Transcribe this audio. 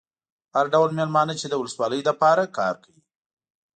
هر ډول مېلمانه چې د ولسوالۍ لپاره کار کوي.